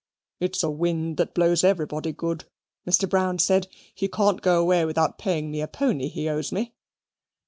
"It's a wind that blows everybody good," Mr. Brown said. "He can't go away without paying me a pony he owes me."